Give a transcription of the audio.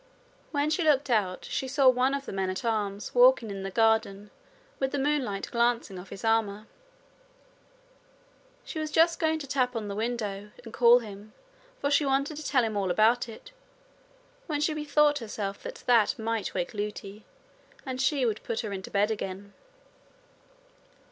When she looked out she saw one of the men at arms walking in the garden with the moonlight glancing on his armour. She was just going to tap on the window and call him, for she wanted to tell him all about it, when she bethought herself that that might wake Lootie, and she would put her into her bed again.